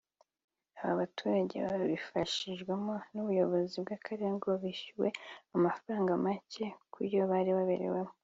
Aba baturage babifashijwemo n’ubuyobozi bw’Akarere ngo bishyuwe amafaranga make ku yo bari baberewemo